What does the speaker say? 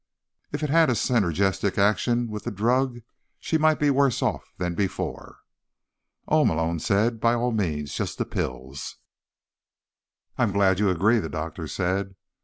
If it had a synergistic action with the drug, she might be worse off than before." "Oh," Malone said. "By all means. Just the pills." "I'm glad you agree," the doctor said.